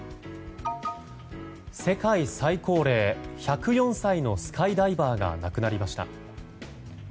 世界最高齢１０４歳のスカイダイバーが亡くなりました。